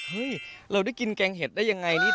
เฮ้ยเราได้กินแกงเห็ดได้ยังไง